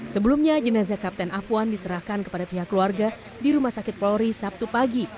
sebelumnya jenazah kapten afwan diserahkan kepada pihak keluarga di rumah sakit polri sabtu pagi